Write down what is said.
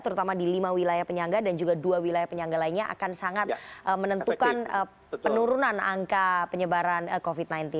terutama di lima wilayah penyangga dan juga dua wilayah penyangga lainnya akan sangat menentukan penurunan angka penyebaran covid sembilan belas